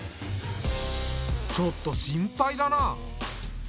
ちょっと心配だな。